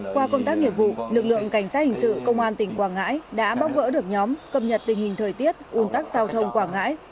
qua công tác nghiệp vụ lực lượng cảnh sát hình sự công an tỉnh quảng ngãi đã bóc gỡ được nhóm cập nhật tình hình thời tiết ùn tắc giao thông quảng ngãi